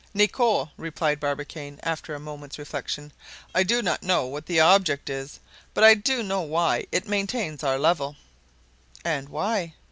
"Nicholl," replied Barbicane, after a moment's reflection, "I do not know what the object it, but I do know why it maintains our level." "And why?"